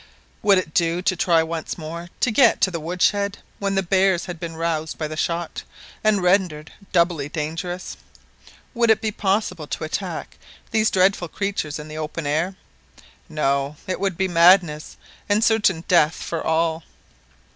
Would it do to try once more to get to the wood shed, when the bears had been roused by the shot, and rendered doubly dangerous? Would it be possible to attack these dreadful creatures in the open air I No, it would be madness, and certain death for all!